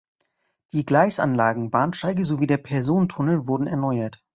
Die Gleisanlagen, Bahnsteige sowie der Personentunnel wurden erneuert.